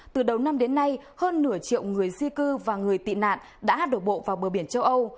từ đầu năm đến nay hơn nửa triệu người di cư và người tị nạn đã đổ bộ vào bờ biển châu âu